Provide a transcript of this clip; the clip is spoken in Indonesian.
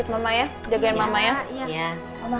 ini udah kerahes belum ini